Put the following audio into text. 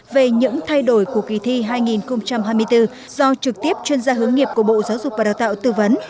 về những thay đổi của kỳ thi hai nghìn hai mươi bốn do trực tiếp chuyên gia hướng nghiệp của bộ giáo dục và đào tạo tư vấn